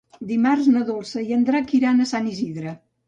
Dimarts na Dolça i en Drac iran a Sant Isidre.